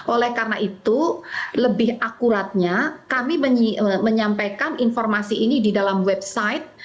oleh karena itu lebih akuratnya kami menyampaikan informasi ini di dalam website